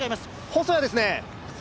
細谷ですね